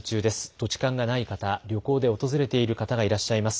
土地勘がない方、旅行で訪れている方がいらっしゃいます。